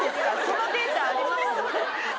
そのデータあります？